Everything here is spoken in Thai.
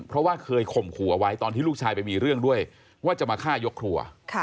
เพราะว่าเคยข่มขู่เอาไว้ตอนที่ลูกชายไปมีเรื่องด้วยว่าจะมาฆ่ายกครัว